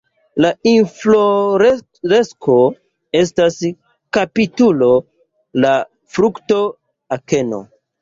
La infloresko estas kapitulo, la frukto akeno.